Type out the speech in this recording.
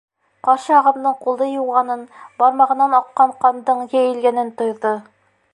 Ҡаршы ағымдың ҡулды йыуғанын, бармағынан аҡҡан ҡандың йәйелгәнен тойҙо.